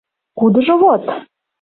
Кудыжо вот?